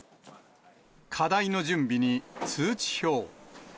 課題の準備に通知表。